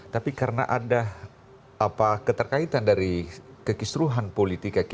tapi karena ada keterkaitan dari kekisruhan politik akibat pemilu kada